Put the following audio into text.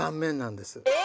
え！